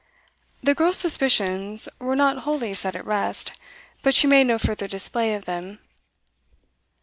The girl's suspicions were not wholly set at rest, but she made no further display of them.